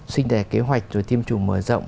sinh đẻ kế hoạch rồi tiêm chủng mở rộng